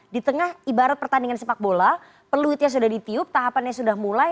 di tengah ibarat pertandingan sepak bola peluitnya sudah ditiup tahapannya sudah mulai